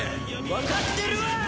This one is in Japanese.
わかってるわ！